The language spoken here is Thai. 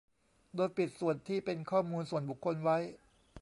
โดยปิดส่วนที่เป็นข้อมูลส่วนบุคคลไว้